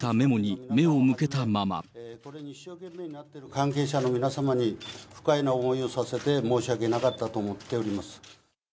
終始、関係者の皆様に不快な思いをさせて、申し訳なかったと思っております。